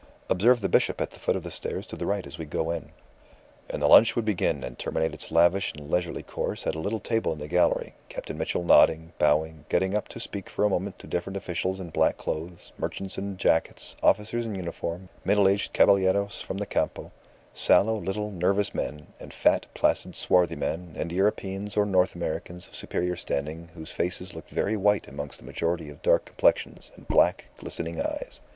Observe the bishop at the foot of the stairs to the right as we go in." And the lunch would begin and terminate its lavish and leisurely course at a little table in the gallery, Captain Mitchell nodding, bowing, getting up to speak for a moment to different officials in black clothes, merchants in jackets, officers in uniform, middle aged caballeros from the Campo sallow, little, nervous men, and fat, placid, swarthy men, and Europeans or North Americans of superior standing, whose faces looked very white amongst the majority of dark complexions and black, glistening eyes.